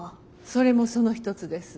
それもその一つです。